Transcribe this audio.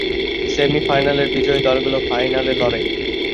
সেমি-ফাইনালের বিজয়ী দলগুলো ফাইনালে লড়ে।